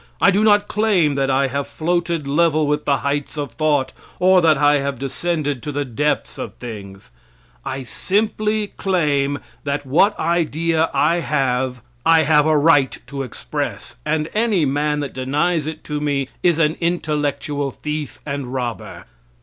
I do not claim that I have floated level with the heights of thought, or that I have descended to the depths of things; I simply claim that what idea I have I have a right to express, and any man that denies it to me is an intellectual thief and robber.